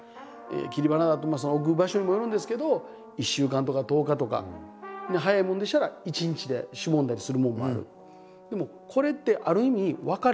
切り花だと置く場所にもよるんですけど１週間とか１０日とか早いもんでしたら一日でしぼんだりするものもある。